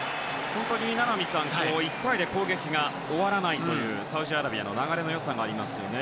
本当に名波さん１回で攻撃が終わらないというサウジアラビアの流れの良さがありますよね。